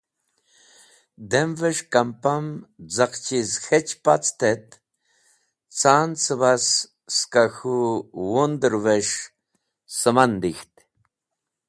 Dem’ves̃h kampam z̃aq chiz k̃hech pact et ca’n cẽbas skẽ k̃hũ wund’reves̃h sẽman dik̃ht.